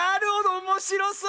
おもしろそう！